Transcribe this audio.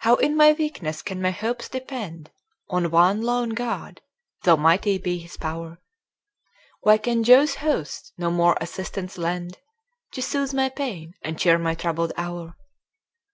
How in my weakness can my hopes depend On one lone God, though mighty be his pow'r? Why can Jove's host no more assistance lend, To soothe my pains, and cheer my troubled hour?